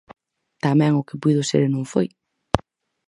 Tamén o que puido ser e non foi.